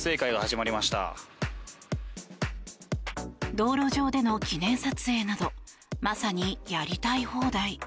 道路上での記念撮影などまさにやりたい放題。